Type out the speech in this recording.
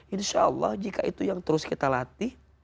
insya allah jika itu yang terus kita latih